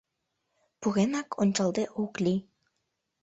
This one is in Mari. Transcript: Пуренак ончалде ок лий.